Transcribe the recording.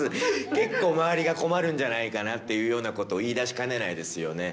結構周りが困るんじゃないかなというようなことを言い出しかねないですよね。